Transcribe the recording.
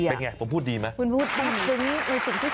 เป็นไงผมพูดดีไหม